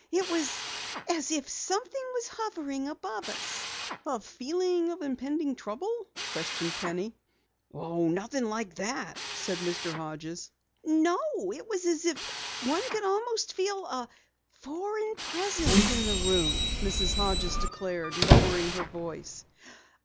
It was as if something was hovering over us." "A feeling of impending trouble?" questioned Penny. "Nothing like that," said Mr. Hodges. "No, it was as if one almost could feel a foreign presence in the room," Mrs. Hodges declared, lowering her voice.